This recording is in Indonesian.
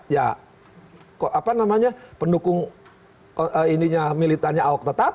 ya pendukung militannya ahok tetap